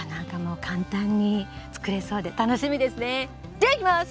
ではいきます。